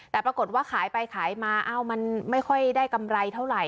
แต่ปรากฏว่าขายไปขายมามันไม่ค่อยได้กำไรเท่าไหร่